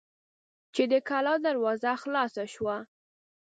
چې د کلا دروازه خلاصه شوه.